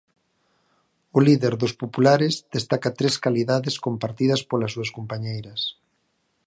O líder dos populares destaca tres calidades compartidas polas súas compañeiras.